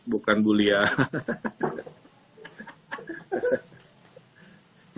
bukan bulia hahaha